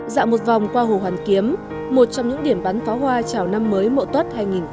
dạo một vòng qua hồ hoàn kiếm một trong những điểm bán pháo hoa chào năm mới mộ tuất hai nghìn một mươi tám